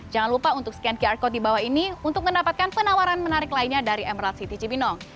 jangan lupa untuk scan qr code di bawah ini untuk mendapatkan penawaran menarik lainnya dari emerald city cibinong